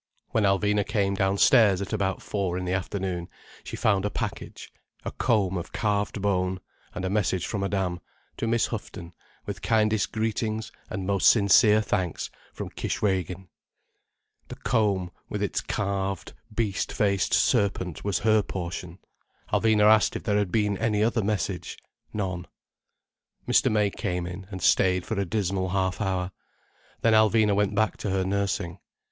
When Alvina came downstairs at about four in the afternoon she found a package: a comb of carved bone, and a message from Madame: "To Miss Houghton, with kindest greetings and most sincere thanks from Kishwégin." The comb with its carved, beast faced serpent was her portion. Alvina asked if there had been any other message. None. Mr. May came in, and stayed for a dismal half hour. Then Alvina went back to her nursing.